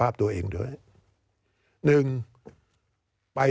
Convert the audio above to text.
การเลือกตั้งครั้งนี้แน่